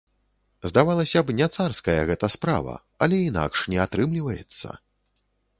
Здавалася б, не царская гэта справа, але інакш не атрымліваецца.